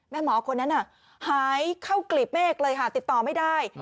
หมอคนนั้นหายเข้ากลีบเมฆเลยค่ะติดต่อไม่ได้